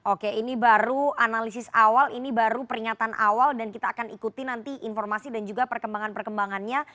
oke ini baru analisis awal ini baru peringatan awal dan kita akan ikuti nanti informasi dan juga perkembangan perkembangannya